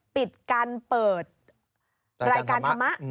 ปิดการเปิดรายการธรรมะ